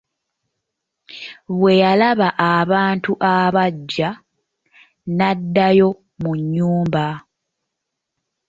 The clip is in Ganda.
Bwe yalaba abantu abajja n'addayo mu nyumba.